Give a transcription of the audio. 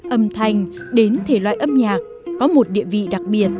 âm thanh đến thể loại âm nhạc có một địa vị đặc biệt